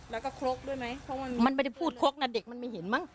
แล้วก็ครกด้วยไหมมันไม่ได้พูดครกนะเด็กมันไม่เห็นมั้ง